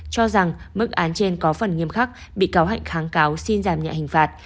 cho rằng mức án trên có phần nghiêm khắc bị cáo hạnh kháng cáo xin giảm nhẹ hình phạt